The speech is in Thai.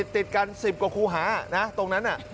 ติดกันสิบกว่าครูหานะตรงนั้นน่ะ